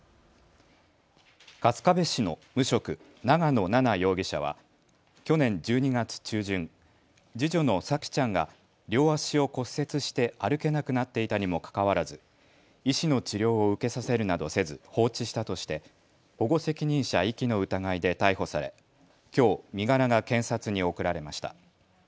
春日部市の無職、長野奈々容疑者は去年１２月中旬、次女の沙季ちゃんが両足を骨折して歩けなくなっていたにもかかわらず医師の治療を受けさせるなどせず放置したとして保護責任者遺棄の疑いで逮捕されきょう身柄が検察に送られました。